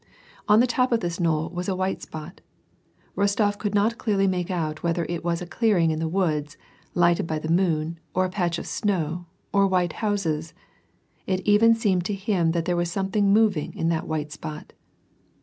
On the top of this knoll was a white spot. Ifbstof could not clearly make out whether it was a clearing in the woods, lighted by the moon, or a patch of snow, or white houses. It even seemed to him that there was something moving on that white spot.